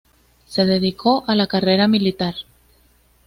Se dedicó a la carrera militar.